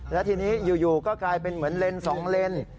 แล้วทีนี้อยู่ก็กลายเป็นเหมือนเลนส์๒เลน